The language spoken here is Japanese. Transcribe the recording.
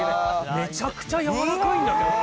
めちゃくちゃやわらかいんだけど！